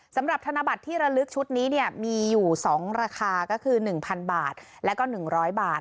สำหรับธนบัตรที่ระลึกชุดนี้เนี่ยมีอยู่สองราคาก็คือหนึ่งพันบาทแล้วก็หนึ่งร้อยบาท